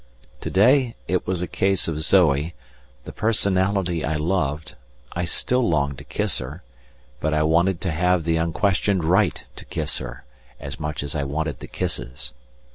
To day it was a case of Zoe, the personality I loved; I still longed to kiss her, but I wanted to have the unquestioned right to kiss her, as much as I wanted the kisses.